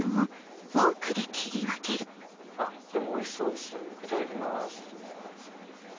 あっおいしそうですいただきます。